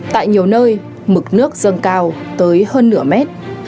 tại nhiều nơi mực nước dâng cao tới hơn nửa mét